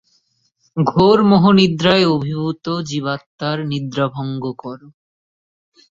ঘোর মোহনিদ্রায় অভিভূত জীবাত্মার নিদ্রাভঙ্গ কর।